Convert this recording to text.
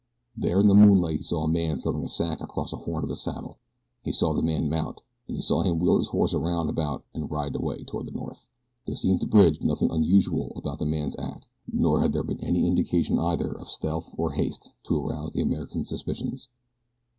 There in the moonlight he saw a man throwing a sack across the horn of a saddle. He saw the man mount, and he saw him wheel his horse around about and ride away toward the north. There seemed to Bridge nothing unusual about the man's act, nor had there been any indication either of stealth or haste to arouse the American's suspicions.